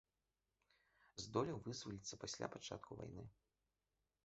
Здолеў вызваліцца пасля пачатку вайны.